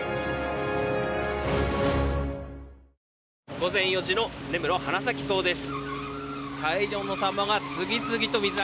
午前４時の根室・花咲港です。